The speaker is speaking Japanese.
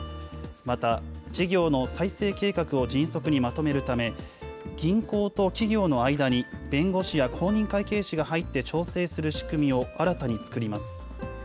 また、事業の再生計画を迅速にまとめるため、銀行と企業の間に弁護士や公認会計士が入って調整する仕組みを新たに作ります。